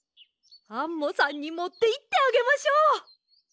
アンモさんにもっていってあげましょう。